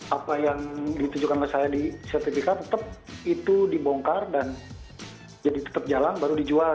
apa yang ditujukan oleh saya di sertifikat tetap dibongkar dan tetap jalan baru dijual